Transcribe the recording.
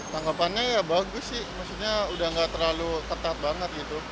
tanggapannya ya bagus sih maksudnya udah gak terlalu ketat banget gitu